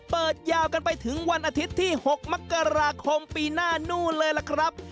เปิดยาวกันไปถึงวันอาทิตย์ที่๖มกราคมปีหน้านู่นเลยล่ะครับ